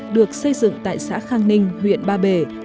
được xây dựng tại xã khang ninh huyện ba bể